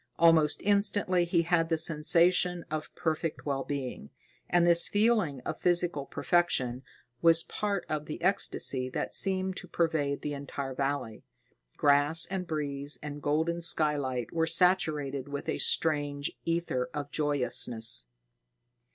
Almost instantly he had the sensation of perfect well being, and this feeling of physical perfection was part of the ecstasy that seemed to pervade the entire valley. Grass and breeze and golden skylight were saturated with a strange ether of joyousness.